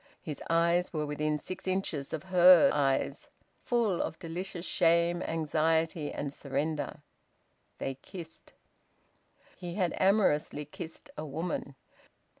His eyes were within six inches of her eyes, full of delicious shame, anxiety, and surrender. They kissed... He had amorously kissed a woman.